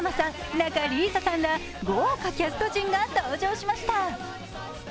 仲里依紗さんら豪華キャスト陣が登場しました。